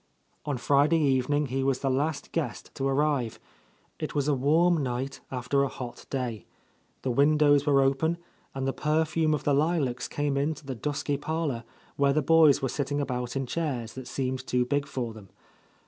On Friday evening he was the last guest to ar rive. It was a warm night, after a hot day. The windows were open, and the perfume of the lilacs came into the dusky parlour where the boys were sitting about in chairs that seemed too big for them.